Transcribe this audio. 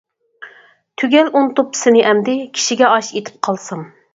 تۈگەل ئۇنتۇپ سېنى ئەمدى، كىشىگە ئاش ئېتىپ قالسام.